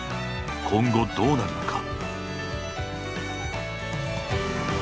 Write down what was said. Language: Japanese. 今後、どうなるのか。